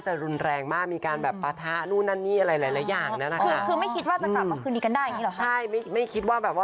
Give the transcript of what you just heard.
ชอบอยู่เงียบ